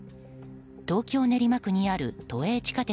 東京・練馬区にある都営地下鉄